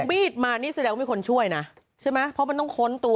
ออกปืนมานี่แสดงว่าเป็นคนช่วยนะเพราะมันต้องค้นตัว